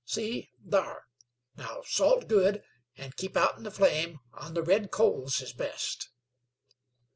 See thar! Now salt good, an' keep outen the flame; on the red coals is best."